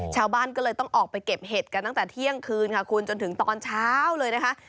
ชาวบ้านก็เลยต้องออกไปเก็บเห็ดกันตั้งแต่เที่ยงคืนค่ะคุณจนถึงตอนเช้าเลยนะคะ